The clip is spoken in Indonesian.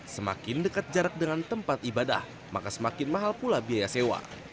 semakin dekat jarak dengan tempat ibadah maka semakin mahal pula biaya sewa